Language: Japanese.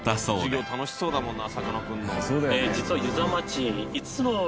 授業楽しそうだもんな